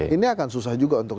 ini akan susah juga untuk